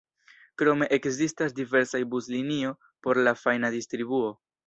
Krome ekzistas diversaj buslinio por la fajna distribuo.